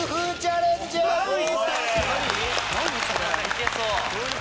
いけそう。